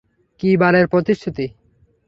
কী বালের প্রতিশ্রুতি?